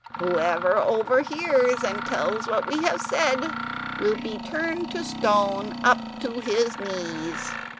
whoever overhears and tells what we have said will be turned to stone up to his knees."